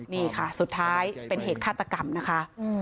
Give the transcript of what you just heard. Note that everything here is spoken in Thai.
นี่ค่ะสุดท้ายเป็นเหตุฆาตกรรมนะคะ